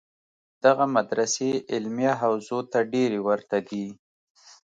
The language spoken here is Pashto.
دغه مدرسې علمیه حوزو ته ډېرې ورته دي.